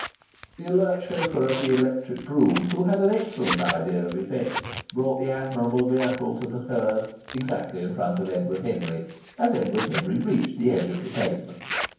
The alert chauffeur of the electric brougham, who had an excellent idea of effect, brought the admirable vehicle to the kerb exactly in front of Edward Henry as Edward Henry reached the edge of the pavement.